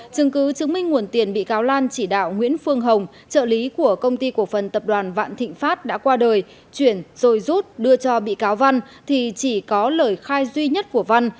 chứng cứ chứng minh nguồn tiền bị cáo lan chỉ đạo nguyễn phương hồng trợ lý của công ty cổ phần tập đoàn vạn thịnh pháp đã qua đời chuyển rồi rút đưa cho bị cáo văn thì chỉ có lời khai duy nhất của văn